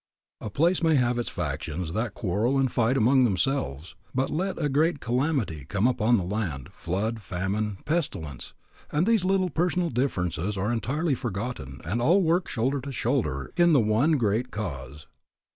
A place may have its factions that quarrel and fight among themselves, but let a great calamity come upon the land, flood, famine, pestilence, and these little personal differences are entirely forgotten and all work shoulder to shoulder in the one great cause.